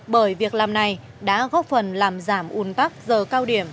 bởi việc làm này đã góp phần làm giảm un tắc giờ cao điểm